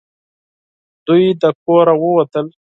دوی د کوره ووتل .